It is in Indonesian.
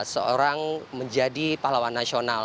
seorang menjadi pahlawan nasional